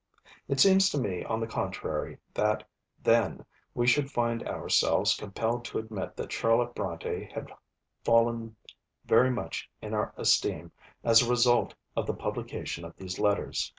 It seems to me, on the contrary, that then we should find ourselves compelled to admit that Charlotte Brontë had fallen very much in our esteem as a result of the publication of these Letters.